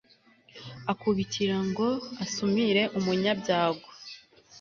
akubikira ngo asumire umunyabyago